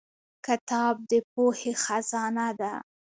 • کتاب د پوهې خزانه ده.